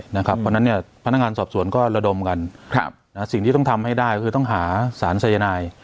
เพราะฉะนั้นพนักงานสอบสวนก็ระดมกันสิ่งที่ต้องทำให้ได้ก็คือต้องหาสารสายนาย